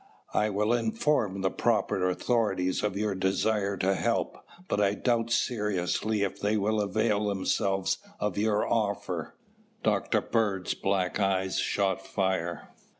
I will inform the proper authorities of your desire to help, but I doubt seriously if they will avail themselves of your offer." Dr. Bird's black eyes shot fire.